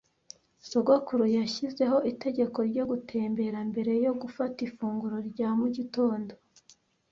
Sogokuru yashyizeho itegeko ryo gutembera mbere yo gufata ifunguro rya mu gitondo.